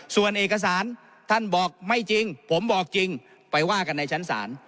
ส่วนเอกสารท่านบอกไม่จริงผมบอกจริงไปว่ากันในชั้นศาล